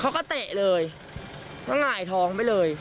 เขาก็เตะเลยเข้าง่ายท้องไปเลย